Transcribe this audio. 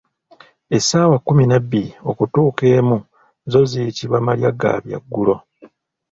Essaawa kkumi nabbiri okutuuka emu zo ziyitibwa "malya ga byaggulo".